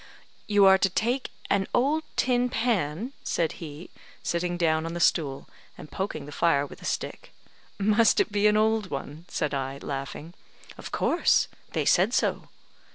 "You are to take an old tin pan," said he, sitting down on the stool, and poking the fire with a stick. "Must it be an old one?" said I, laughing. "Of course; they said so."